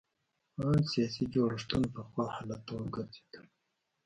ان سیاسي جوړښتونه پخوا حالت ته وګرځېدل.